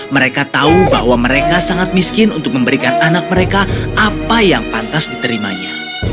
mereka tahu bahwa mereka sangat miskin untuk memberikan anak mereka apa yang pantas diterimanya